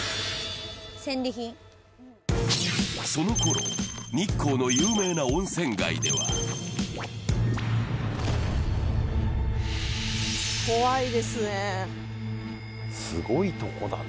そのころ、日光の有名な温泉街では怖いですね。